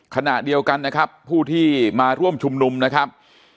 ขณะเดียวกันนะครับผู้ที่มาร่วมชุมนุมนะครับ